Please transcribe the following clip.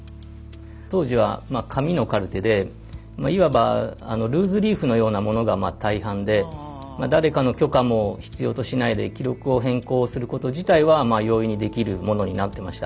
当時は紙のカルテでいわばルーズリーフのようなものが大半で誰かの許可も必要としないで記録を変更すること自体は容易にできるものになってました。